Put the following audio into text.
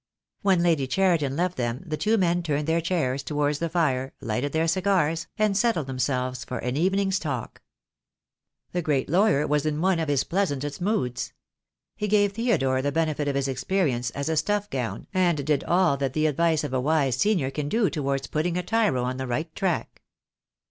When Lady Cheriton left them the two men turned their chairs towards the fire, lighted their cigars, and settled themselves for an even ing's talk. 300 THE DAY WILL COME. The great lawyer was in one of his pleasantest moods. He gave Theodore the benefit of his experience as a stuff gown, and did all that the advice of a wise senior can do towards putting a tyro on the right track.